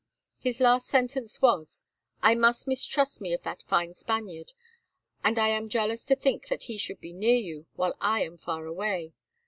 His last sentence was: "I much mistrust me of that fine Spaniard, and I am jealous to think that he should be near to you while I am far away.